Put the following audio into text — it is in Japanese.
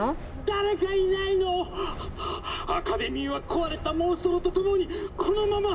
「誰かいないの⁉アカデミーは壊れたモンストロと共にこのままこのまま」。